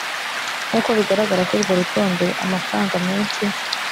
Nk uko bigaragara kuri urwo rutonde amafaranga menshi